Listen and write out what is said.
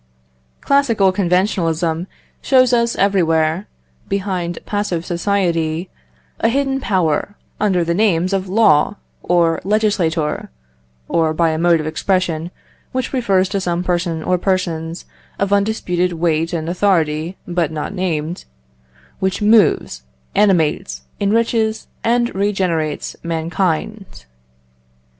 Classical conventionalism shows us everywhere, behind passive society, a hidden power, under the names of Law, or Legislator (or, by a mode of expression which refers to some person or persons of undisputed weight and authority, but not named), which moves, animates, enriches, and regenerates mankind.